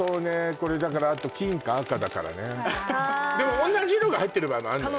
これだからあと金か赤だからね・ああでもおんなじ色が入ってる場合もあんのよね